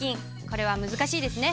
これは難しいですね。